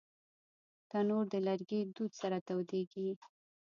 تنور د لرګي دود سره تودېږي